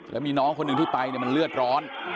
แล้วมีน้องคนหนึ่งที่ไปมันเลือดร้อน